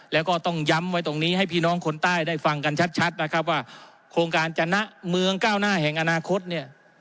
แล้วก็ต้องย้ำไว้ตรงนี้ให้พี่น้องคนใต้ได้ฟังกันชัดนะครับว่าโครงการจนะเมืองก้าวหน้าแห่งอนาคตเนี่ย